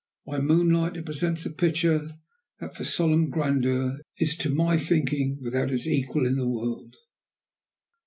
By moonlight it presents a picture that for solemn grandeur is, to my thinking, without its equal in the world.